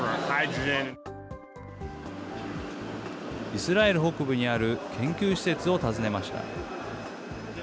イスラエル北部にある研究施設を訪ねました。